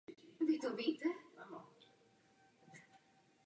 V hlavní budově je ve středu vybudováno centrální schodiště a výtah.